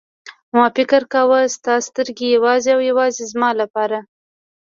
ما فکر کاوه ستا سترګې یوازې او یوازې زما لپاره.